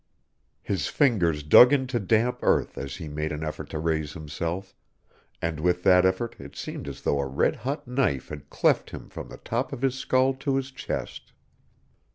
His fingers dug into damp earth as he made an effort to raise himself, and with that effort it seemed as though a red hot knife had cleft him from the top of his skull to his chest.